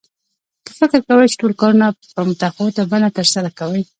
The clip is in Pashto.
که فکر کوئ چې ټول کارونه په متفاوته بڼه ترسره کوئ.